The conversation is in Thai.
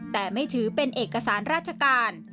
แต่ไม่ถือเป็นเอกสารราชการ